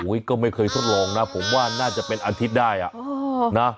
ก็ไม่เคยทดลองนะผมว่าน่าจะเป็นอาทิตย์ได้อ่ะนะ